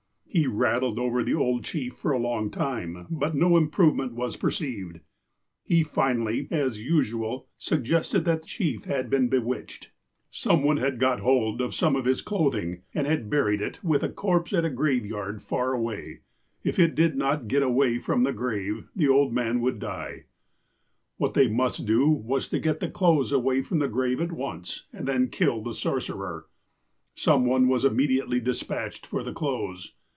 He rattled over the old chief for a long time, but no im provement was perceived. He finally, as usual, suggested that the chief had been bewitched. Some one had got Neyahsh " meaus grandfather. 94 THE APOSTLE OF ALASKA hold of some of his clothing, and had buried it with a corpse at a graveyard far away. If it did not get away from the grave, the old man would die. '' What they must do was to get the clothes away from the grave at once, and then kill the sorcerer. Some one was immediately desijatched for the clothes.